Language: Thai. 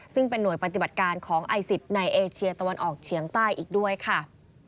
ซึ่งเป็นหน่วยปฏิบัติการของไอซิสในเอเชียตะวันออกเฉียงใต้อีกด้วยค่ะ